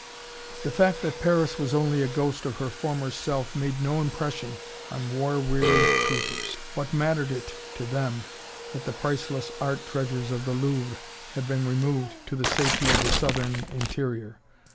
The fact that Paris was only a ghost of her former self made no impression on war weary troopers. What mattered it, to them, that the priceless art treasures of the Louvre had been removed to the safety of the southern interior?